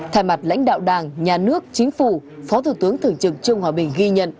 thay mặt lãnh đạo đảng nhà nước chính phủ phó thủ tướng thượng trực trung hòa bình ghi nhận